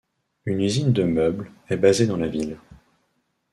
Une usine de meubles, est basée dans la ville.